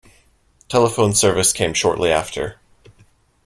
Telephone service came shortly after.